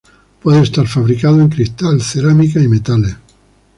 Puede estar fabricado en cristal, cerámica y metales.